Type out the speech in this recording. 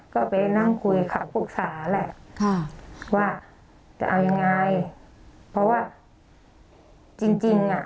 ก็ไปนั่งคุยค่ะปรึกษาแหละค่ะว่าจะเอายังไงเพราะว่าจริงจริงอ่ะ